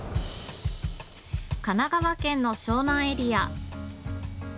神奈川県の湘南エリア。